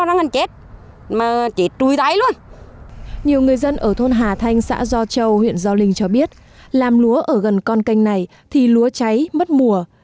nhiều người dân ở thôn hà thanh xã do châu huyện do linh cho biết làm lúa ở gần con canh này thì lúa cháy mất mùa